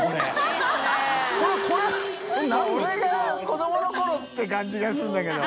俺が子どもの頃って感じがするんだけど。）